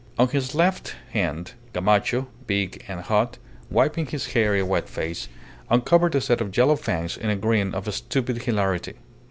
On his left hand, Gamacho, big and hot, wiping his hairy wet face, uncovered a set of yellow fangs in a grin of stupid hilarity.